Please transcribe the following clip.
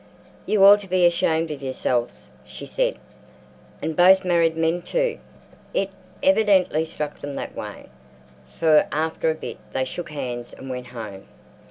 "You ought to be ashamed of yourselves!" she said; "and both married men, too!" It evidently struck them that way, for after a bit they shook hands and went home.